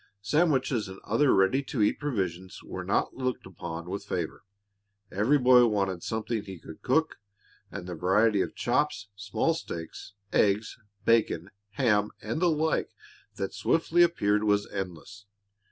Sandwiches and other ready to eat provisions were not looked upon with favor. Every boy wanted something he could cook, and the variety of chops, small steaks, eggs, bacon, ham, and the like that swiftly appeared was endless.